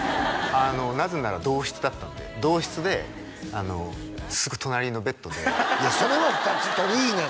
なぜなら同室だったんで同室ですぐ隣のベッドでいやそれは２つ取りいな